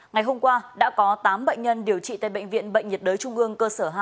ngày hôm qua đã có tám bệnh nhân điều trị tại bệnh viện bệnh nhiệt đới trung ương cơ sở hai